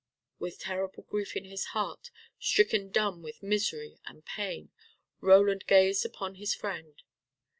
With terrible grief in his heart, stricken dumb with misery and pain, Roland gazed upon his friend.